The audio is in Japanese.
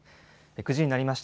９時になりました。